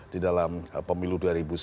di dalam pemilu dua ribu sembilan belas